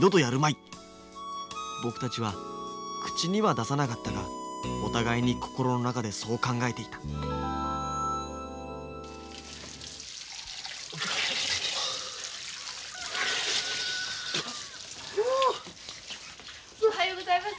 僕たちは口には出さなかったがお互いに心の中でそう考えていたおはようございます。